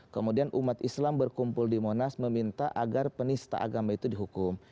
kemudian umat islam berkumpul di monas meminta agar penista agama itu dihukum